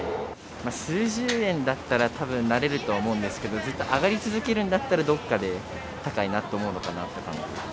数十円だったら、たぶん慣れると思うんですけど、ずっと上がり続けるんだったら、どっかで高いなと思うのかなと感じます。